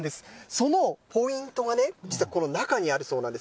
そのポイントがね、実はこの中にあるそうなんです。